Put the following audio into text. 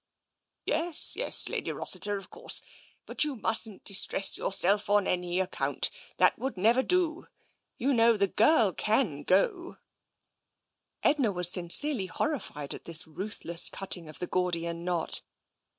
" Yes, yes, Lady Rossiter — of course. But you mustn't distress yourself, on any account. That would never do. You know, the girl can go." 192 TENSION Edna was sincerely horrified at this ruthless cutting of the Gordian knot.